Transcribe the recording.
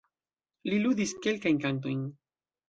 Li ludis kelkajn kantojn.